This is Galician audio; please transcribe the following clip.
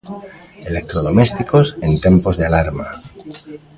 Electrodomésticos en tempos de alarma.